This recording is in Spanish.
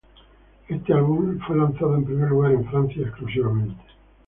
Este álbum fue lanzado en primer lugar en Francia exclusivamente.